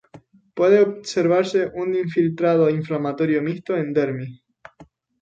Puede observarse un infiltrado inflamatorio mixto en dermis.